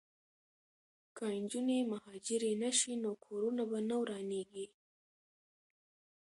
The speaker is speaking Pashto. که نجونې مهاجرې نه شي نو کورونه به نه ورانیږي.